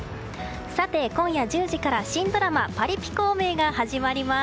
今夜１０時から新ドラマ「パリピ孔明」が始まります。